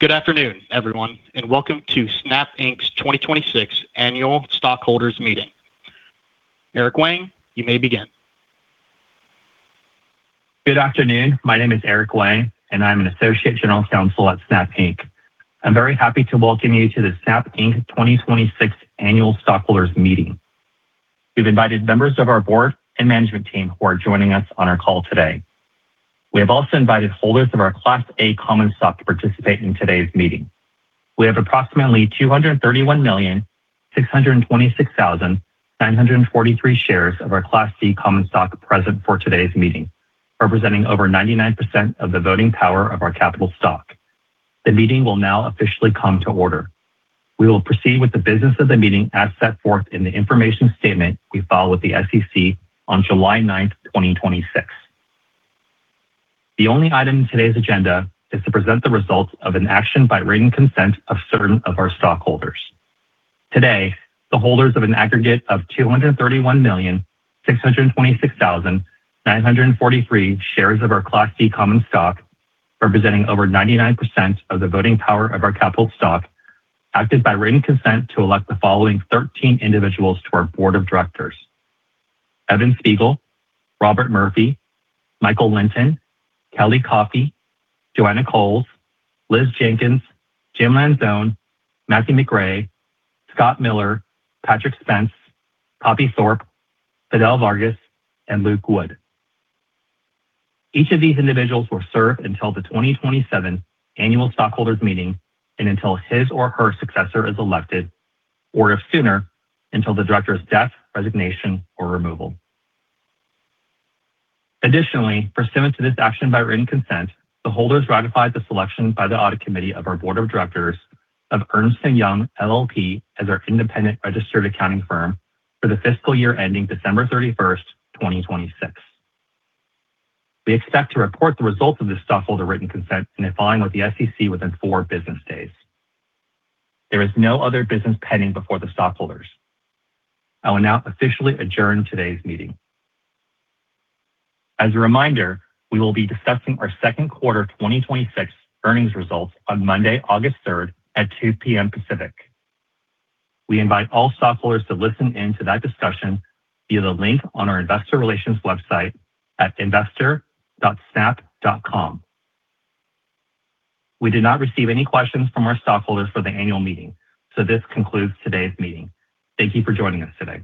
Good afternoon, everyone, and welcome to Snap Inc.'s 2026 Annual Stockholders Meeting. Erick Wang, you may begin. Good afternoon. My name is Erick Wang, and I'm an Associate General Counsel at Snap Inc.. I'm very happy to welcome you to the Snap Inc. 2026 Annual Stockholders Meeting. We've invited members of our board and management team who are joining us on our call today. We have also invited holders of our Class A common stock to participate in today's meeting. We have approximately 231,626,943 shares of our Class C common stock present for today's meeting, representing over 99% of the voting power of our capital stock. The meeting will now officially come to order. We will proceed with the business of the meeting as set forth in the information statement we filed with the SEC on July 9th, 2026. The only item in today's agenda is to present the results of an action by written consent of certain of our stockholders. Today, the holders of an aggregate of 231,626,943 shares of our Class C common stock, representing over 99% of the voting power of our capital stock, acted by written consent to elect the following 13 individuals to our Board of Directors: Evan Spiegel, Robert Murphy, Michael Lynton, Kelly Coffey, Joanna Coles, Liz Jenkins, Jim Lanzone, Matthew McRae, Scott Miller, Patrick Spence, Poppy Thorpe, Fidel Vargas, and Luke Wood. Each of these individuals will serve until the 2027 Annual Stockholders Meeting and until his or her successor is elected, or if sooner, until the director's death, resignation, or removal. Additionally, pursuant to this action by written consent, the holders ratified the selection by the audit committee of our Board of Directors of Ernst & Young LLP as our independent registered accounting firm for the fiscal year ending December 31st, 2026. We expect to report the results of this stockholder written consent in complying with the SEC within four business days. There is no other business pending before the stockholders. I will now officially adjourn today's meeting. As a reminder, we will be discussing our second quarter 2026 earnings results on Monday, August 3rd at 2:00 P.M. Pacific. We invite all stockholders to listen in to that discussion via the link on our Investor Relations website at investor.snap.com. We did not receive any questions from our stockholders for the annual meeting. This concludes today's meeting. Thank you for joining us today.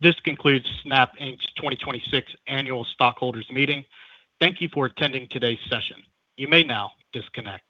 This concludes Snap Inc.'s 2026 Annual Stockholders Meeting. Thank you for attending today's session. You may now disconnect.